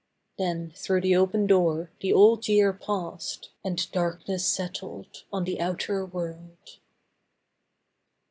Then through the open door the Old Year passed And darkness settled on the outer world.